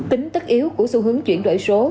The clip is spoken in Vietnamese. tính tất yếu của xu hướng chuyển đổi số